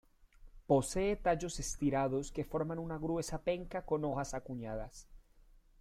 Posee tallos estriados que forman una gruesa penca con hojas acuñadas.